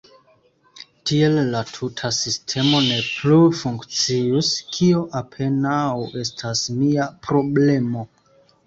Tiel la tuta sistemo ne plu funkcius – kio apenaŭ estas mia problemo.